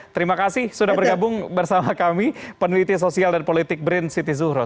terima kasih sudah bergabung bersama kami peneliti sosial dan politik brin siti zuhroh